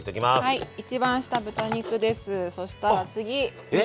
はい。